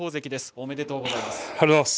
おめでとうございます。